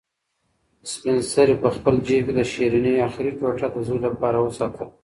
سپین سرې په خپل جېب کې د شیرني اخري ټوټه د زوی لپاره وساتله.